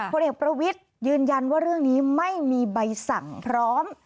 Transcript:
ผลเอกประวิทย์ยืนยันว่าเรื่องนี้ไม่มีใบสั่งพร้อม